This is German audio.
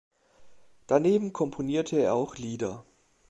Daneben komponierte er auch Lieder.